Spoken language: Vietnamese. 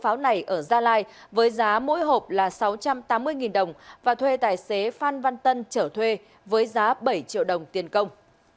pháo này ở gia lai với giá mỗi hộp là sáu trăm tám mươi đồng và thuê tài xế phan văn tân trở thuê với giá bảy triệu đồng tiền công